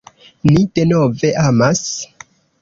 Ni denove amas.